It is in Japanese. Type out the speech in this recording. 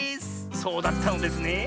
そうだったのですね。